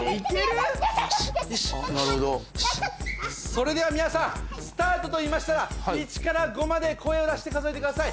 それでは皆さんスタートと言いましたら１から５まで声を出して数えてください。